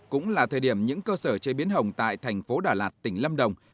cũng là thời điểm những cơ sở chế biến hồng tại thành phố đà lạt tỉnh lâm đồng